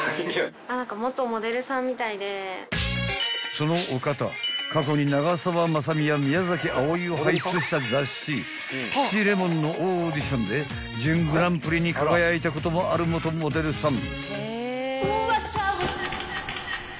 ［そのお方過去に長澤まさみや宮あおいを輩出した雑誌『ピチレモン』のオーディションで準グランプリに輝いたこともある元モデルさん］